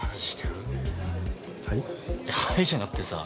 「はい？」じゃなくてさ。